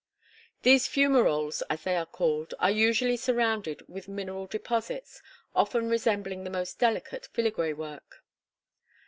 These fumaroles, as they are called, are usually surrounded with mineral deposits, often resembling the most delicate filigree work.